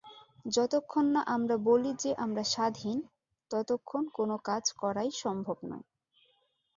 যতক্ষণ না আমরা বলি যে আমরা স্বাধীন, ততক্ষণ কোন কাজ করাই সম্ভব নয়।